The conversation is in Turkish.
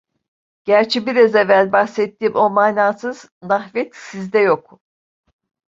Gerçi biraz evvel bahsettiğim o manasız nahvet sizde yok.